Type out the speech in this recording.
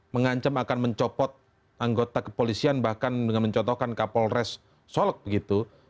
mengancam akan mencopot anggota kepolisian bahkan dengan mencontohkan kapolres solek begitu